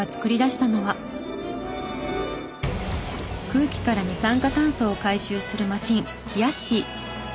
空気から二酸化炭素を回収するマシンひやっしー。